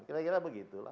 kira kira begitu lah